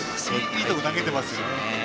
いいところ投げていますね。